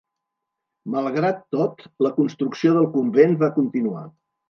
Malgrat tot, la construcció del convent va continuar.